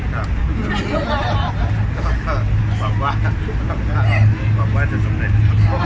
ก็คิดว่าจะสำเร็จครับ